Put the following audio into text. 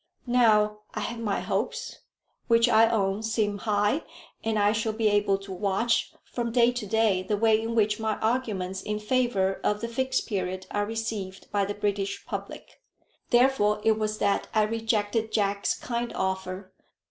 Now I have my hopes, which I own seem high, and I shall be able to watch from day to day the way in which my arguments in favour of the Fixed Period are received by the British public. Therefore it was that I rejected Jack's kind offer.